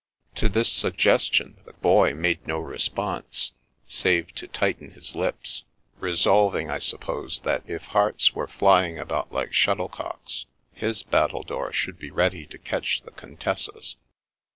To this suggestion the Boy made no response, save to tighten his lips, resolving, I supposed, that if hearts were flying about like shuttlecocks, his battle dore should be ready to catch the Contessa's.